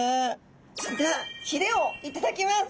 それではひれを頂きます。